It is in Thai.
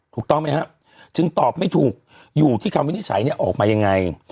ถูกต้องไหมครับจึงตอบไม่ถูกอยู่ที่คำวินิจฉัยเนี่ยออกมายังไง